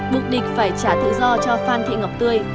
mục đích phải trả tự do cho phan thị ngọc tươi